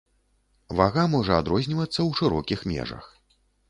Вага можа адрознівацца ў шырокіх межах.